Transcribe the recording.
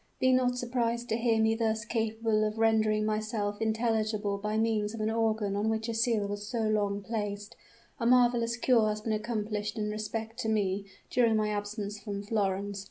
Be not surprised to hear me thus capable of rendering myself intelligible by means of an organ on which a seal was so long placed. A marvelous cure has been accomplished in respect to me, during my absence from Florence.